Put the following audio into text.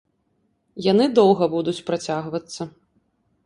Яны доўга будуць працягвацца.